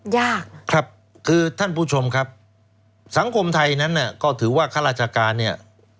ยากครับคือท่านผู้ชมครับสังคมไทยนั้นเนี่ยก็ถือว่าข้าราชการเนี่ย